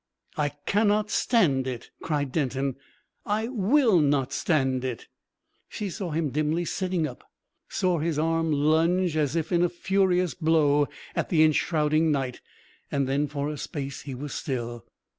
"I cannot stand it!" cried Denton. "I will not stand it!" She saw him dimly, sitting up; saw his arm lunge as if in a furious blow at the enshrouding night. Then for a space he was still.